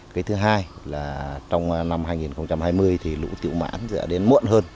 cái thứ hai là trong năm hai nghìn hai mươi thì lũ tiểu mãn sẽ đến muộn hơn